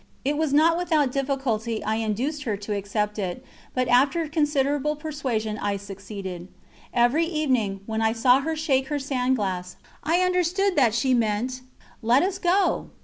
It was not without difficulty I induced her to accept it, but after considerable persuasion I succeeded. Every evening, when I saw her shake her sand glass, I understood that she meant: "Let us go!"